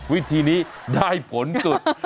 วิธีนี้ได้ผลสุด